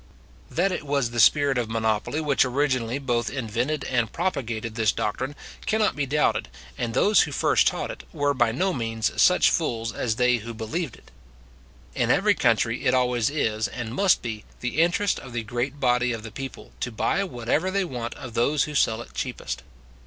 That it was the spirit of monopoly which originally both invented and propagated this doctrine, cannot be doubted and they who first taught it, were by no means such fools as they who believed it. In every country it always is, and must be, the interest of the great body of the people, to buy whatever they want of those who sell it cheapest.